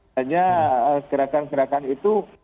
hanya gerakan gerakan itu